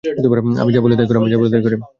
আমি যা বলি তাই করো!